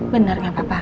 bener gak apa apa